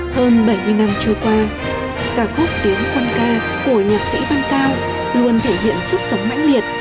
hơn bảy mươi năm trôi qua ca khúc tiến quân ca của nhạc sĩ văn cao luôn thể hiện sức sống mãnh liệt